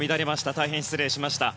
大変失礼しました。